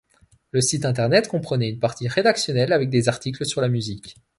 Le site Internet comprenait une partie rédactionnelle avec des articles sur la musique.